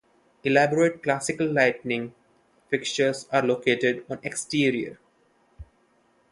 Elaborate classical lighting fixtures are located on exterior.